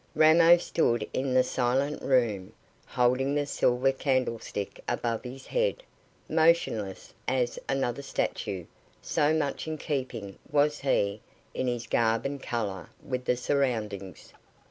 Ramo stood in the silent room, holding the silver candlestick above his head, motionless as another statue, so much in keeping was he in his garb and colour with the surroundings.